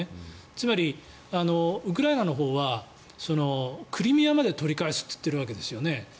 つまり、ウクライナのほうはクリミアまで取り返すと言っているわけですよね。